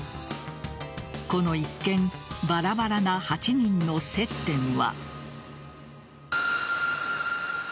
この一見、バラバラな８人の接点は。